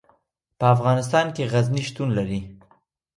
په افغانستان کې غزني شتون لري.